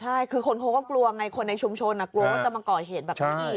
ใช่คือคนเขาก็กลัวไงคนในชุมชนกลัวว่าจะมาก่อเหตุแบบนี้อีก